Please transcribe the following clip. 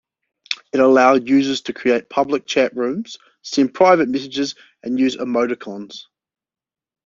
It allowed users to create public chat rooms, send private messages, and use emoticons.